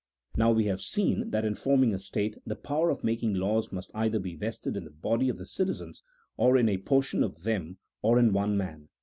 Now we have seen that in forming a state the power of making laws must either be vested in the body of the citizens, or in a portion of them, or in one man.